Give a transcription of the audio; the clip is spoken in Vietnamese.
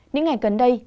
những ngày gần đây